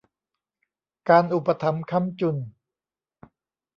การอุปถัมภ์ค้ำจุน